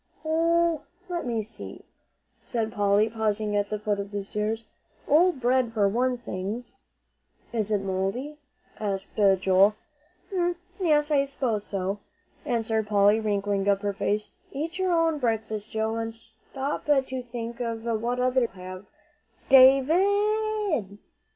"Oh let me see," said Polly, pausing at the foot of the stairs. "Old bread, for one thing." "Is it mouldy?" asked Joel. "Um yes, I s'pose so," answered Polly, wrinkling up her face. "Eat your own breakfast, Joe, and not stop to think of what other people have. Da _vid!